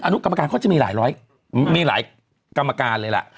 นุกรรมการเขาจะมีหลายกรรมการเลยล่ะ